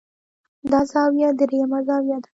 دا زاويه درېيمه زاويه ده